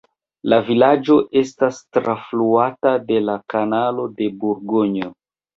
La vilaĝo estas trafluata de la kanalo de Burgonjo.